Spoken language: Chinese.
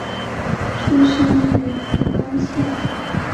出身于福冈县。